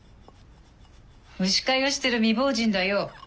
牛飼いをしてる未亡人だよ。